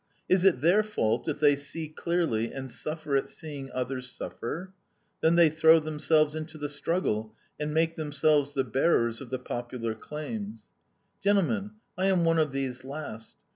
Is it their fault if they see clearly and suffer at seeing others suffer? Then they throw themselves into the struggle, and make themselves the bearers of the popular claims. "Gentlemen, I am one of these last.